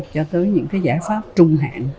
cho tới những cái giải pháp trung hạn